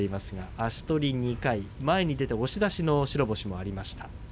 足取り２回、前に出て押し出しの白星がありました。